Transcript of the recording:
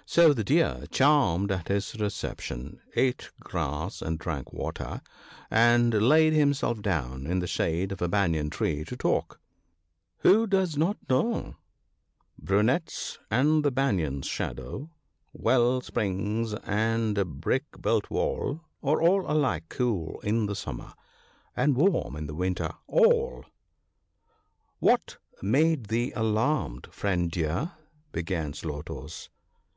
" So the Deer, charmed at his reception, eat grass and drank water, and laid himself down in the shade of a Banyan tree to talk. Who does not know ?—" Brunettes, and the Banyan's shadow, Well springs, and a biick built wall, Are all alike cool in the summer, And warm in the winter — all." 48 THE BOOK OF GOOD COUNSELS. "What made thee alarmed, friend Deer?" began Slow toes.